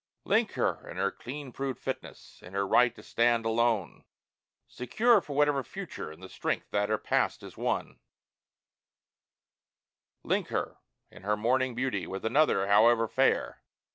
Link her, in her clean proved fitness, in her right to stand alone Secure for whatever future in the strength that her past has won Link her, in her morning beauty, with another, however fair?